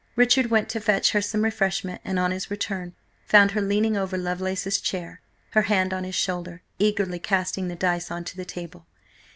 Richard went to fetch her some refreshment, and on his return, found her leaning over Lovelace's chair, her hand on his shoulder, eagerly casting the dice on to the table.